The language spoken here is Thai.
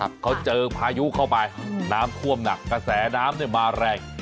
เพียงเขาเจอพายุเข้าไปน้ำคว่มหนักกระแสน้ำมาแรง